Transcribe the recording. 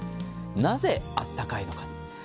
なぜあったかいのか。